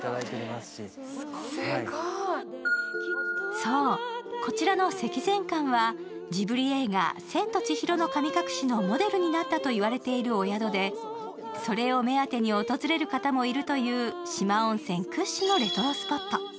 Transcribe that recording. そう、こちらの積善館はジブリ映画「千と千尋の神隠し」のモデルになったといわれているお宿でそれを目当てに訪れる方もいるという四万温泉屈指のレトロスポット。